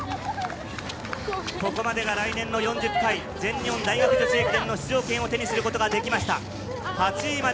ここまでが来年の４０回全日本大学女子駅伝の出場権を手にすることができました。